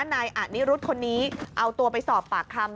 นายอนิรุธคนนี้เอาตัวไปสอบปากคำ